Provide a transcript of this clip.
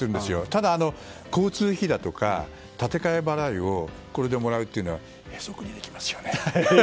ただ、交通費だとか立て替え払いをこれでもらうというのはへそくりできますよね！